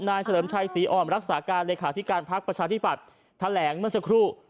เฉลิมชัยศรีอ่อนรักษาการเลขาธิการพักประชาธิปัตย์แถลงเมื่อสักครู่